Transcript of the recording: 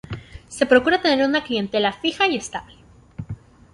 Se procura tener una clientela fija y estable.